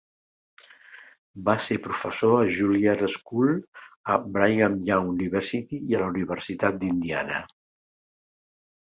Va ser professor a Juilliard School, a Brigham Young University i a la Universitat d'Indiana.